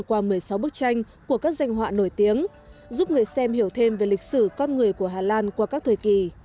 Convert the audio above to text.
qua một mươi sáu bức tranh của các danh họa nổi tiếng giúp người xem hiểu thêm về lịch sử con người của hà lan qua các thời kỳ